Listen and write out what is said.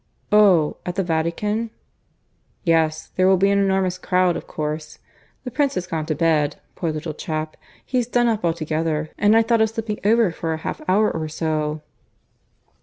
"Oh! At the Vatican?" "Yes. There will be an enormous crowd, of course. ... The Prince has gone to bed, poor little chap! He's done up altogether; and I thought of slipping over for a half hour or so."